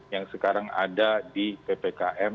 yang sekarang ada di ppkm